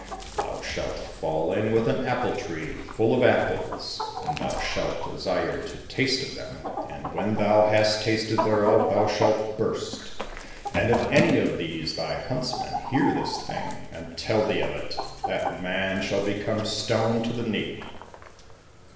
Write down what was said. Thou shalt fall in with an apple tree full of apples, and thou shalt desire to taste of them, ^ A sourish drink. D 49 COSSACK FAIRY TALES and when thou hast tasted thereof thou shalt burst. And if any of these thy huntsmen hear this thing and tell thee of it, that man shall become stone to the knee